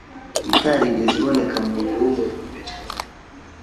itarigeze iboneka mu mubiri w'umuntu mbere,